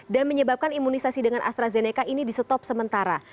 dan menyebabkan imunisasi dengan astrazeneca ini di stop sementara